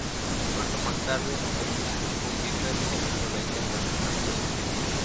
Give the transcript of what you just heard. Cuando más tarde, se fusionó con Viper, estas dolencias ya no están presentes.